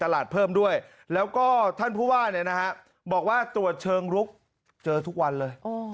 แล้วท่านผู้ว่าบอกว่าตรวจเชิงลุกเจอทุกวันเลย